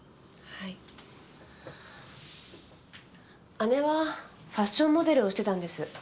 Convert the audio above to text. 姉はファッションモデルをしてたんです。